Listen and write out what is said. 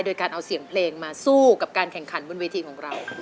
โดยการเอาเสียงเพลงมาสู้กับการแข่งขันบนเวทีของเรา